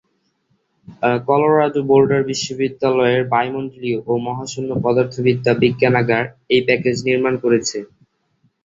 Colorado Boulder বিশ্ববিদ্যালয়ের বায়ুমন্ডলীয় ও মহাশূন্য পদার্থবিদ্যা বিজ্ঞানাগার এই প্যাকেজ নির্মাণ করেছে।